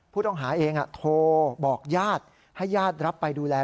ผู้ต้องหาเองโทรบอกญาติให้ญาติรับไปดูแล